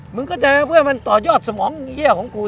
เข้าใจเพื่อให้มันต่อยอดสมองเยี้ยของกู